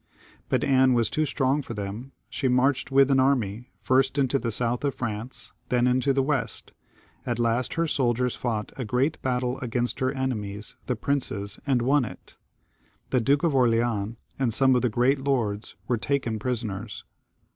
But Anne was too strong for them; she marched with an army, first into the south of France, then into the west ; at last her soldiers fought a great battle against her enemies the princes, and won it. The Duke of Orleans, and some of the great lords, were taken prisoners.